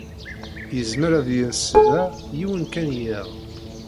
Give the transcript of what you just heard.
Yezmer ad yens da yiwen kan yiḍ.